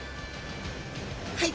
はい。